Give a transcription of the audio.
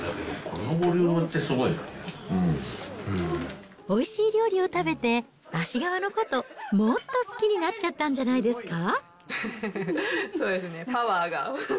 このボリュームってすおいしい料理を食べて、芦川のこと、もっと好きになっちゃったんじゃないですか。